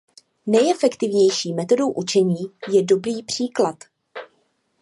Nejefektivnější metodou učení je dobrý příklad.